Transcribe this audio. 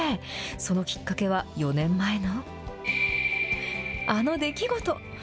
そのきっかけは４年前の、あの出来事。